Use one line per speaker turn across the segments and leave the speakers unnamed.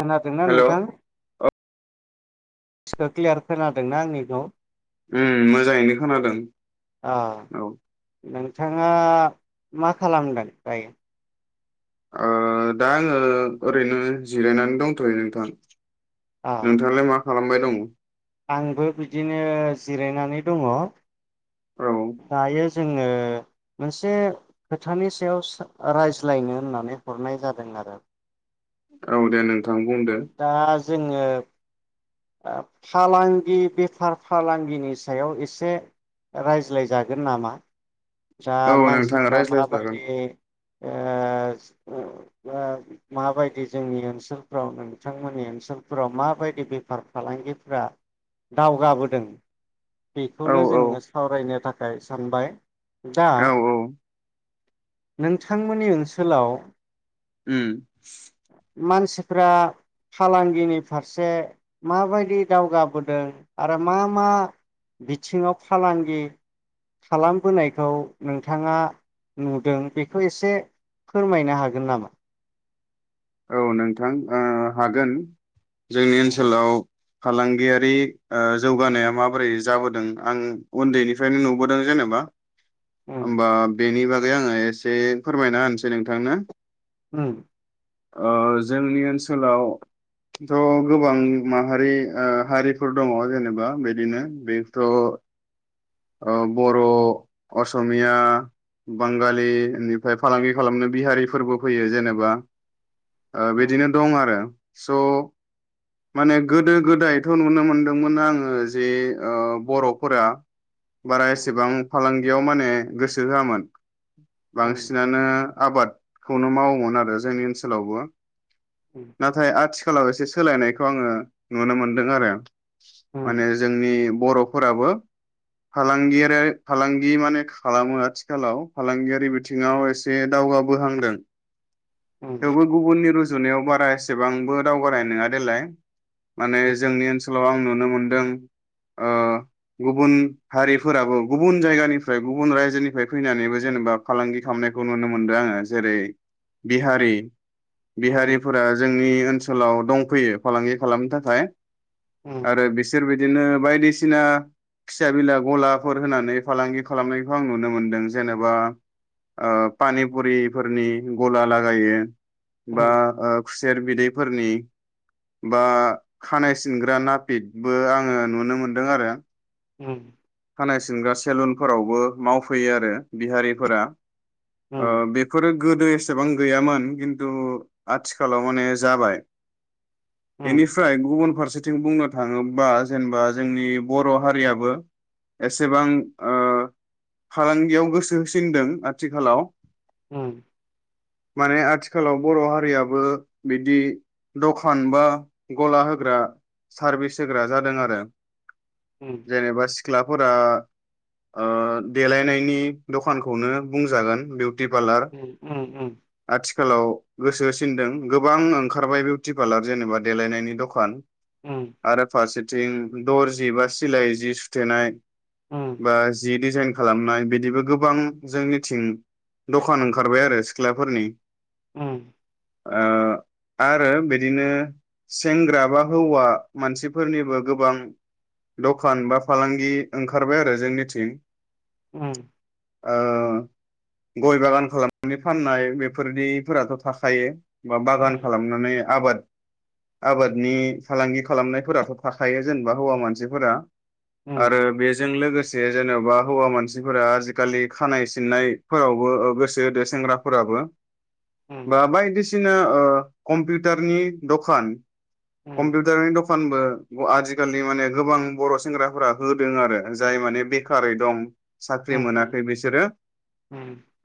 खोनादोंना
हेलौ
नोंथां बयसखौ क्लियार खोनादोंना आंनिखौ
उम मोजाङैनो खोनादों
अ नोंथाङा मा खालामदों दायो?
ओ दा आङो ओरैनो जिरायनानै दंथयो नोंथां
अ
नोंथाङालाय मा खालामबाय दं?
आंबो बिदिनो जिरायनानै दङ
औ।
दायो जोङो मोनसे खोथानि सायावसो रायज्लायनो होननानै हरनाय जादों आरो।
औ दे नोंथां बुंदो।
जोङो। आ फालांगि बेफार फालांगिनि सायाव एसे रायज्लायजागोन नामा? दा
औ नोंथां
मानसिफ्रा
रायज्लायजागोन
माबायदि? ओ माबायदि जोंनि ओनसोलफ्राव नोंथांमोननि ओनसोलफोराव माबायदि बेफार फालांगिफ्रा दावगाबोदों।
औ
बेखौनो
औ
जोङो। सावरायनो थाखाय सानबाय। दा।
औ औ
नोंथांमोननि ओनसोलाव।
उम।
फोरा फालांगिनि फारसे माबायदि दावगाबोदों आरो मा मा बिथिङाव फालांगि खालामबोनाय? खौ नोंथाङा नुदों बेखौ एसे फोरमायनो हागोन नामा?
औ नोंथां ओ हागोन। जोंनि ओनसोलाव। फालांगियारि ओ जौगानाया माबोरै जाबोदों आं उन्दैनिफ्रायनो नुबोदों जेनेबा। ओमबा बेनि बा गै आङो एसे फोरमायना होनसै नोंथांनो।
उम
ओ जोंनि ओनसोलावथ गोबां माहारि हारिफोर दङ जेनोबा बिदिनो बेथ बर असमिया बांगालि एनिफ्राय फालांगि खालामनो बिहारिफोरबो फैयो जेनेबा। ओ बिदिनो दं आरो। स माने गोदो गोदायथ' नुनो मोनदोंमोन आङो जे ओ बरफोरा। बारा एसेबां फालां बेयाव माने गोसो होआमोन। बांसिनानो। आबादखौनो मावोमोन आरो जोंनि सोलावबो। नाथाय आथि खालाव एसे सोलायनायखौ आङो नुनो मोनदों आरो। माने जोंनि। बर'फोराबो फालांगियारि फालांगि माने खालामो आथिखालाव फालांगियारि बिथिङाव एसे दावगाबोहांदों। थेवबो गुबुननि रु जुनायाव बारा एसेबांबो दावगारानाय नङा देलाय। माने जोंनि ओनसोलाव आं नु नु मोनदों गुबुन हारिफोराबो गुबुन जायगानिफ्राय गुबुन रायजोनिफाय फैनानैबो जेनेबा फालांगि खामनायखौ नुनो मोनदों आङो जेरै बिहा [unintelligible] बिहारिफोरा जोंनि। ओनसोलाव दंफैयो फालांगि खालामनो थाखाय। आरो बिसोर बिदि। बिदिनो बायदिसिना फिसा बिला गलाफोर होनानै फालांगि खालामनायखौ आं नुनो मोनदों जेनेबा ओ पानिपुरिफोरनि गला। [unintelligible] बा ओ। सेर बिदैफोरनि बा खानाय सिनग्रा नापिटबो आङो नुनो मोनदों आरो।
उम।
खानाय सिनग्रा सेलुनफोरावबो मावफैयो आरो बिहारिफोरा। बेफोरो। गोदो एसेबां गैयामोन खिन्थु आथिखालाव माने जाबाय। बेनिफ्राय गुबुन फार। फारसेथिं बुंनो थाङोबा जेनेबा जोंनि बर' हारिआबो। एसेबां ओ फालांगियाव गोसो होसिनदों आथिखालाव।
उम।
माने आथिखालाव बर' हारियाबो बिदि दखान बा गला होग्रा सार्भिस होग्रा जादों आरो। जेनेबा सि। सिख्लाफोरा ओ देलायनायनि दखानखौनो बुंजागोन बे।
उम उम उम।
आथिखालाव गोसो होसिनदों गोबां ओंखारबाय ब्यूटी पार्लर जेनेबा देलायनायनि दखान। आरो फारसे। थिं दरजि बा सिलाइ जि सु। थेनाय। बा जि डिजाइन। खालामनाय बिदिबो गोबां जोंनिथिं दखान ओंखारबाय आरो सिख्लाफोरनि।
उम।
ओ आरो बिदिनो सेंग्रा बा हौवा मानसिफोरनिबो गोबां दखान बा। फालांगि ओंखारबाय आरो जोंनिथिं।
उम।
ओ गय बागान खालामनानै फाननाय बेफोरदिफोराथ' थाखायो। बा बागान खालामनानै आबाद। आबादनि फालांगि खालामनायफोराथ' थाखायो जेनेबा हौवा मानसिफोरा आरो बेजों लोगोस से जेनोबा हौवा मानसिफोरा आजिखालि खानाय सिननायफोरावबो ओ गोसो होदो सेंग्राफोराबो बा बायदिस साना ओ कम्पिवटारनि दखान कम्पिउटारनि दखानबो आजिखालि माने गोबां बर' सेंग्रा फोरा होदों आरो जाय माने बेखारै दं। साख्रि मोनाखै बिसोरो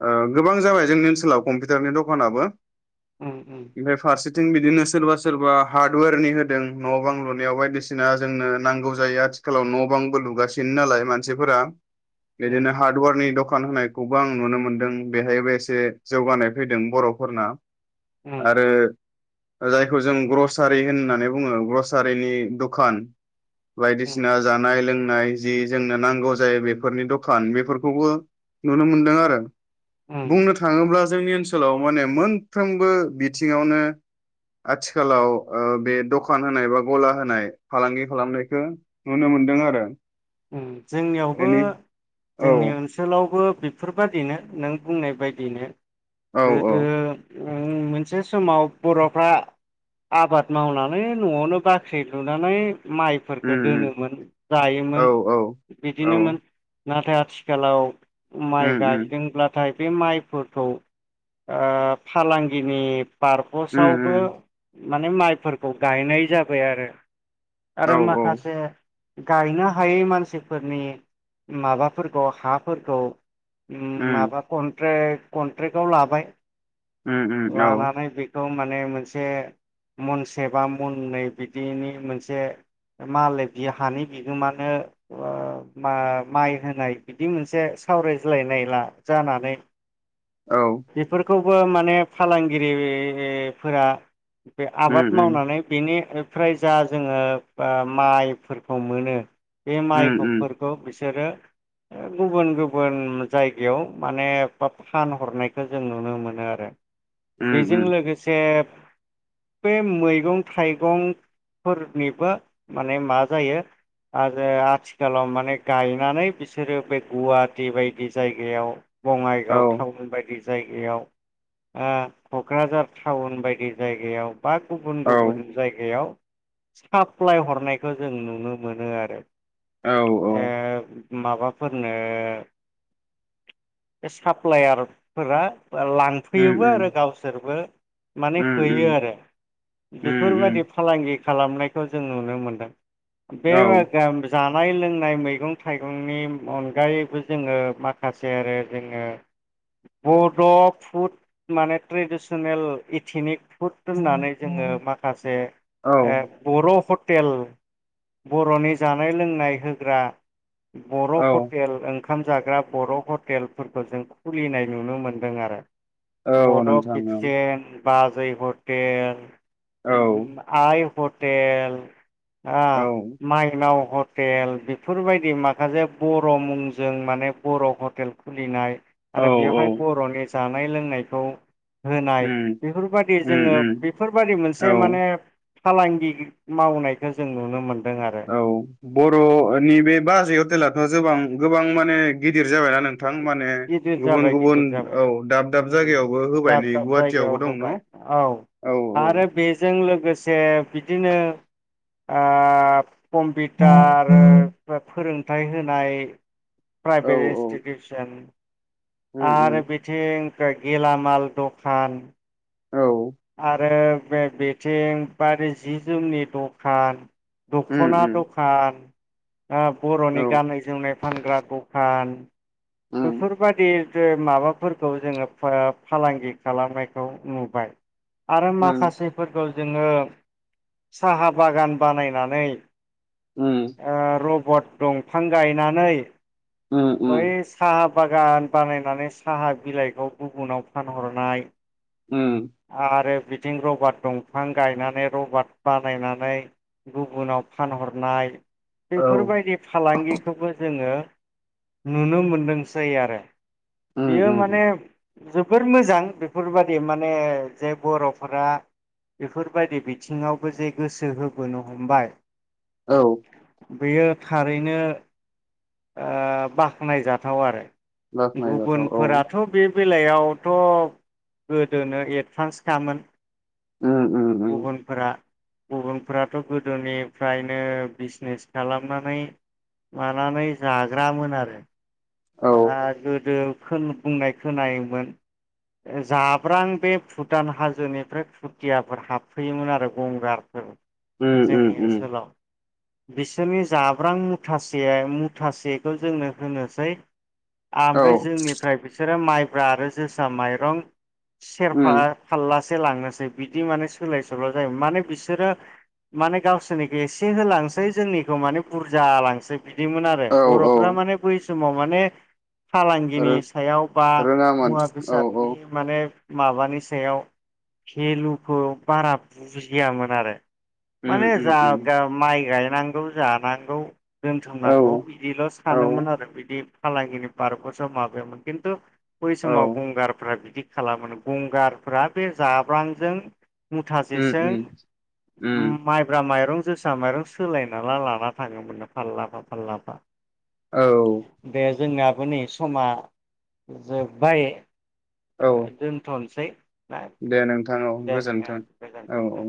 ओ गोबां जाबाय जोंनि ओनसोलाव कम्पिउटारनि दखानाबो
उम उम
जों बिदिनो सोरबा सोरबा हार्डवेरनि होदों न' बां लुनायाव बायदिसिना जोंनो नांगौ जायो आथि आथिखालाव न' बांबो लुगासिनो नालाय मानसिफोरा बिदिनो हार्डवारनि दख खान होनायखौबो आं नुनो मोनदों बेहायबो एसे जौगानाय फैदों बर'फोरना आरो जायखौ जों ग्रसारि होननानै बुङो ग्रसारिनि दखान बायदिसिना जानाय लों नाय जि जोंनो नांगौ जायो बेफोरनि दखान बेफोरखौबो नुनो मोनदों आरो। बुंनो थाङोब्ला जोंनि ओनसोलाव माने मोनफ्रोमबो बिथिङावनो आथिखालाव ओ बे दखान होनाय बा गला होनाय फालांगि खालामनायखो नुनो मोन्दों आरो।
उम जोंनियावबो
एनि औ
जोंनि ओनसोलावबो बेफोरबायादिनो नों बुंनाय बायदिनो
औ औ
गोदो ओम मोनसे समाव बर'फ्रा आबाद मावनानै न'आवनो बाख्रि लुनानै
उम
माइफोरखौ
उम
दोनोमोन जायोमोन।
औ औ औ
बिदिनोमोन। नाथाय आथिखालाव माइ
उम उम
गायदोंब्लाथाय बे माइफोरखौ ओ फालांगिनि
उम
पारपसावबो
उम
माने माइफोरखौ गायनाय जाबाय आरो।
औ
आरो माखासे गायनो हायै मान सिफोरनि माबाफोरखौ हाफोरखौ
उम
माबा कन्ट्रेक कन्ट्रेक्टआव लाबाय
उम उम औ
लानानै बेखौ माने मोनसे मनसे बा मननै बिदिनि मोनसे मालाय बि हानि बिगोमानो ओ मा माइ होनाय बिदि मोनसे सावरायज्लायनाय ला जानानै
औ
बेफोरखौ बो माने फालांगिरिफोरा बे
उम
आबाद मावनानै बेनि फ्राय जा जोङो माइफोरखौ मोनो बे
उम
माइखौफोरखौ बिसोरो गुबुन-गुबुन जायगायाव माने फानहरनायखौ जों नुनो मोनो आरो।
उम
बेजों
उम
लोगोसे बे मैगं थाइगंफोरनिबो माने मा जायो ओ आथिखालाव माने गायनानै बिसोरो बे गुवाहाटि बायदि जायगायाव
औ
बङाइगाव टाउन बायदि जायगायाव ओ कक्राझार टाउन बायदि जायगायाव बा
औ
गुबुन-गुबुन जायगायाव साप्लाय हरनायखौ जों नुनो मोनो आरो।
औ
ओ
औ
माबाफोरनो बे साप्लायारफोरा बा
उम
लांफैयोबो आरो गावसोरबो माने
उम
होयो आरो
उम उम
बेफोरबायदि फालांगि खालामनायखौ जों नुनो मोनदों। बे
औ
ओ जानाय लोंनाय मैगं-थाइगंनि अनगायैबो जोङो माखासे ओरै जोङो बड' फुड माने ट्रेडिसनेल इथिनिक फुद हननानै
उम
जोङो माखासे
औ
ओ बर' फुद हटेल बर' नि जानाय लोंनाय होग्रा बर'
औ
हटेल ओं खाम जाग्रा बर हटेलफोरखौ जों खुलिनाय नुनो मोन्दों आरो।
औ
बड'
नोंथां औ
कितसेन बाजै हटेल
औ
आय हट तेल आ
औ
माइ नाव हटेल बेफोरबायदि माखासे बर' मुंजों माने बर' हटेल खुलिनाय
औ
आरो बेवहाय बर'नि जानाय लोंनायखौ होनाय
उम
बेफोरबादि जोङो
उम उम
बेफोरबादि
औ
मोनसे माने फालांगि मावनायखौ जों नुनो मोन दों आरो।
औ बर'नि बे बाजै हटेलाथ' जोबां-गोबां माने गिदिर। जाबायना नोंथां माने
गिदिर
गुबुन
जाबाय
गुबुन
गिदिर जाबाय
औ दाब दाब जायगायावबो होबाय
दाब
नै
दाब
गुवाहाटियावबो
जायगायाव
दं न
होबाय औ
औ औ।
ए बिदिनो ओब
उम
कम्पिटार
उम
फोर फोरों हाथाय होनाय
औ
प्राइभेस
उम उम
आरो बिथिं गेलामाल दखान आरो बे बेथिं बारि जि जोमनि दखान दख'ना दखान ओ बर'नि
औ
गाननाय जोमनाय फानग्रा दखान।
उम
बेफोरबादि माबाफोरखौ जोङो फ फालांगि खालामनायखौ नुबाय। आरो
उम
माखासेफोरखौ जोङो साहा बागान बानायनानै
उम
ओ र बट दंफां गायनानै
उम उम।
बै साहा बागान बानायनानै साहा बिलाइखौ गुबुनाव फानहरनाय।
उम
आं आरो बिदि रबात दंफां गायनानै रबात बानायनानै गुबुनाव फानहरनाय।
औ
बेफोरबायदि फालांगिखौबो जोङो नुनो मोन [unintelligible] सै आरो।
उम
बियो माने
उम
जोबोर मोजां बेफोरबायदि माने जे बर'फोरा बेफोरबायदि बिथिङावबो जे गोसो होबोनो हमबाय।
औ।
बेयो थारैनो आ बाख्नाय जा थाव आरो।
बाख्नायजाथाव औ
गुबुनफोराथ' बे बेलायावथ' गोदोनो एडभान्सखामोन।
उम उम उम
गुबुनफोरा गुबुनफ्राथ' गोदोनिफ्रायनो बिजनेस खालामनानै मानानै जाग्रामोन आरो।
औ
आ गोदो। खोन- बुंनाय खोनायोमोन जाब्रां बे भुटान हाजोनिफ्राय भुथियाफोर हाबफैयोमोन आरो गंगारफोर
उम उम
जोंनि
उम
ओनसोलाव बिसोरनि जाब्रां मुथासे मुथासेखो जोंनो होनोसै
औ
आमफ्राय जोंनिफ्राय बिसोरो माइ ब्रा आरो जोसा माइरं सेरफा
उम
फाललास होलांनोसै बिदि माने सोलाय सोल' जायो माने बिसोरो माने गावसोरनिखो एसे होलांनोसै जोंनिखौ माने बुरजा लांनोसै बिदिमोन आरो
औ औ
बर'फ्रा माने बै समाव माने
रो
फालांगिनि सायाव बा
रोङामोन
मुवा
औ औ
बेसादनि माने माबानि सायाव भेलुखौ बारा बुजियामोन आरो।
उम
माने
उम
जा
उम
गा माइ गाय नांगौ जानांगौ
औ
दोनथुमनांगौ बिदिल'
औ
सानोमोन आरो बिदि फालांगिनि पारप'सआव माबायामोन खिन्थु बै
औ
समाव गंगारफ्रा बिदि खालामामोन गंगाफ्रा बे जाब्रांजों मुथा
उम
सेजों
उम उम
माइब्रा माइरं जोसा माइरं सोलायना ला-लाना थाङोमोननो फाल्लाफा फाल्लाफा
औ।
जोंनाबो नै समा जोब्बाय ओ
औ
दोनथ'नोसै ना
दे नोंथां औ
दे
गोजोन्थों औ औ।
गोजोनथों